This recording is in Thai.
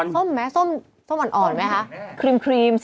ส้มมั้ยส้มไม่คะครีม